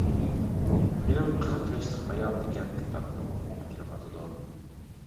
مېنىڭ قىرىق ياشلىق ئايال دېگەن كىتابنى ئوقۇغۇم كېلىۋاتىدۇ.